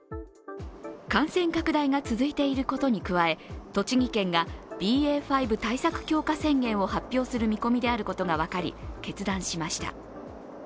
感染拡大が続いていることに加え栃木県がＢＡ．５対策強化宣言を発表する見込みであることが分かり決断しました。